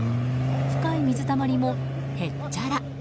深い水たまりもへっちゃら。